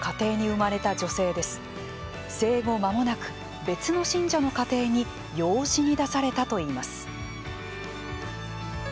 生後まもなく、別の信者の家庭に養子に出されたといいます。